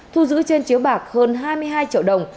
thu giữ trên chiếu bạc hơn hai mươi hai triệu đồng